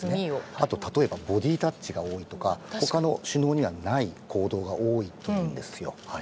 あとはボディータッチが多いとか他の首脳にはない行動が多いと言うんですよ。